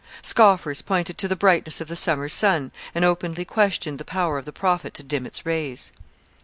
Scoffers pointed to the brightness of the summer sun, and openly questioned the power of the Prophet to dim its rays.